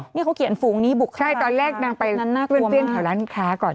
เนี่ยเขาเขียนฝูงนี้บุกเข้าร้านค้าใช่ตอนแรกนางไปเตือนเข้าร้านค้าก่อน